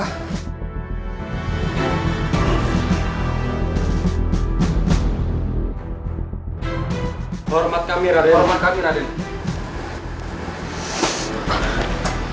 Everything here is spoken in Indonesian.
aku ingin menolongnya tapi kakiku masih terluka